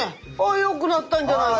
よくなったんじゃないか？